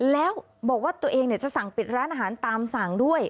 แล้วบอกว่าตัวเองจะสั่งปิดร้านอาหารตามสั่งด้วย